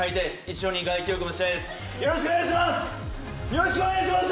よろしくお願いします！